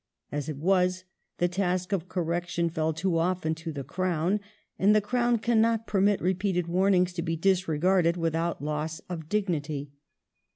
As it was, the task of correction fell too often to the Crown, and the Crown cAnnot permit repeated warnings to be disregai'ded without loss of dignity.